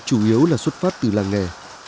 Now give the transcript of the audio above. chủ yếu là xuất phát từ làng nghề